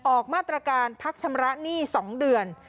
ออกมาตรการพักชำระหนี้๒เดือน